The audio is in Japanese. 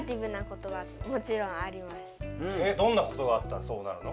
どんなことがあったらそうなるの？